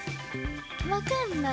わかんない。